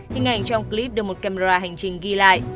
hình ảnh trong clip được một camera hành trình ghi lại